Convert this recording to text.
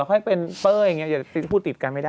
ค่อยเป็นเต้ยอย่างนี้อย่าพูดติดกันไม่ได้